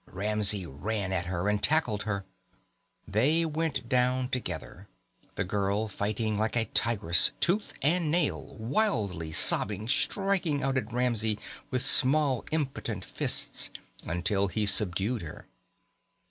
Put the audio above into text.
Ramsey ran at her, and tackled her. They went down together, the girl fighting like a tigress, tooth and nail, wildly, sobbing, striking out at Ramsey with small impotent fists, until he subdued her.